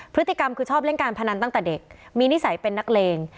พฤติกรรมคือชอบเล่นการพนันตั้งแต่เด็กมีนิสัยเป็นนักเลง